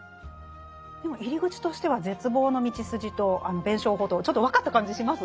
でも入り口としては絶望のみちすじとあの弁証法とちょっと分かった感じしますね。